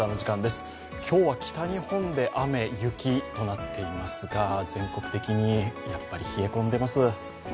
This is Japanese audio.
今日は北日本で雨、雪となっていますが、全国的にやっぱり冷え込んでます。